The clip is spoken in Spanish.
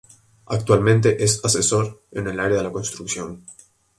Actualmente es Asesor en el área de la construcción.